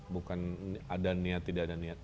bukan ada niat tidak ada niat